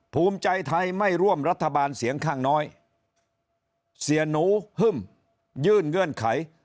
ภูมิใจไทยไม่ร่วมรัฐบาลเสียงข้างน้อยเสียหนูฮึ่มยื่นเงื่อนไข